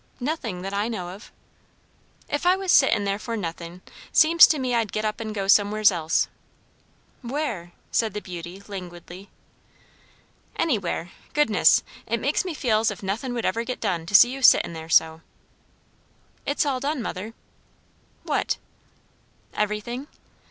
"Nothing, that I know of." "If I was sittin' there for nothin', seems to me I'd get up and go somewheres else." "Where?" said the beauty languidly. "Anywhere. Goodness! it makes me feel as if nothin' would ever get done, to see you sittin' there so." "It's all done, mother." "What?" "Everything."